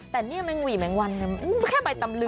แต่เนี่ยแมงหวี่แมงวันแค่ใบตำรึงนิดเดียว